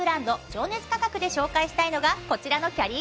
「情熱価格」で紹介したいのがこちらのキャリーケース。